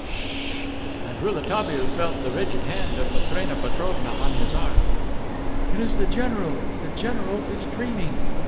"Sh h h!" And Rouletabille felt the rigid hand of Matrena Petrovna on his arm. "It is the general. The general is dreaming!"